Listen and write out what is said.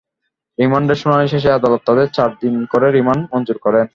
রিমান্ডের শুনানি শেষে আদালত তাঁদের চার দিন করে রিমান্ড মঞ্জুর করেন।